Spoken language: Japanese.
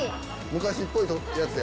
昔っぽいやつや。